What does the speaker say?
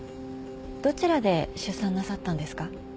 どちらで出産なさったんですか？